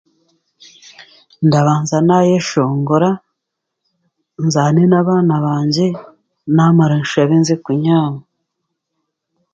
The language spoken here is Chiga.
Ndabanza n'ayeshongora, nzaane n'abaana bangye namara nshaabe nze kunyaama.